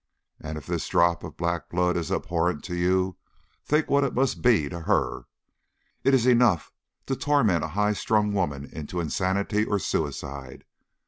And if this drop of black blood is abhorrent to you, think what it must be to her. It is enough to torment a high strung woman into insanity or suicide.